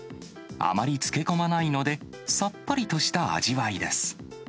あまり漬け込まないので、さっぱりとした味わいです。